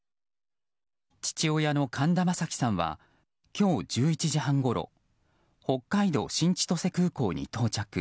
父親の神田正輝さんは今日１１時半ごろ北海道新千歳空港に到着。